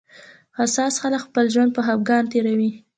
حساس خلک خپل ژوند په خپګان تېروي